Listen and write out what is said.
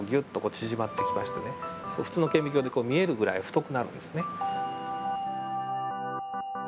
普通の顕微鏡でこう見えるぐらい太くなるんですね。